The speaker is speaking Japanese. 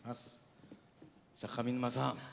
上沼さん。